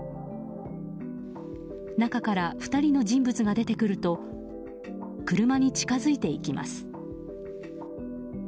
中から２人の人物が出てくると車に近づいていきます。